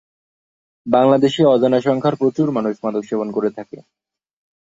বাংলাদেশে অজানা সংখ্যার প্রচুর মানুষ মাদক সেবন করে থাকে।